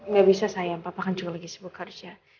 gak bisa sayang papa kan juga lagi sibuk harusnya